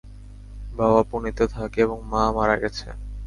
বাবা পুনেতে থাকে এবং মা মারা গেছে।